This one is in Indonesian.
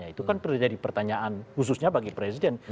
itu kan terjadi pertanyaan khususnya bagi presiden